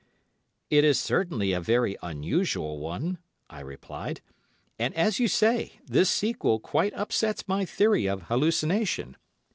"It is certainly a very unusual one," I replied, "and, as you say, this sequel quite upsets my theory of hallucination.